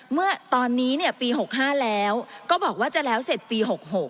เมื่อตอนนี้ปี๖๕แล้วก็บอกว่าจะแล้วเสร็จปี๖๖